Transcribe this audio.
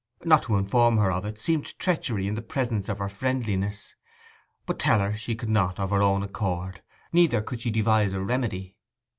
Not to inform her of it seemed treachery in the presence of her friendliness; but tell she could not of her own accord—neither could she devise a remedy.